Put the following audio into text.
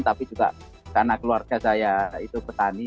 tapi juga karena keluarga saya itu petani